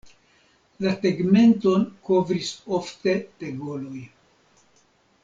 La tegmenton kovris ofte tegoloj.